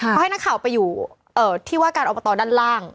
เขาให้นักข่าวไปอยู่ที่ว่าการอบตด้านล่าง